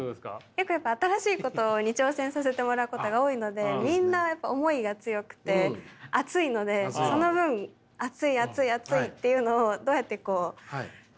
よくやっぱ新しいことに挑戦させてもらうことが多いのでみんなやっぱ思いが強くて熱いのでその分熱い熱い熱いっていうのをどうやってこう丸く。